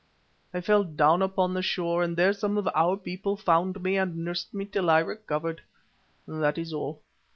I fell down upon the shore, and there some of our people found me and nursed me till I recovered. That is all."